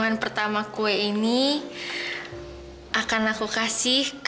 yang pertama yang sudah updated insights kepada mereka ini is